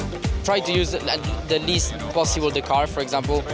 saya mencoba menggunakan mobil yang paling tidak mungkin misalnya